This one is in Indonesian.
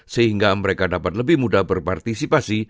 sehingga mereka dapat lebih mudah berpartisipasi